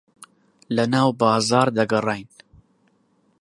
لەناو بازاڕ دەگەڕاین.